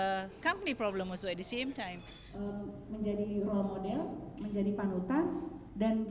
agar mereka bisa menyelesaikan masalah perusahaan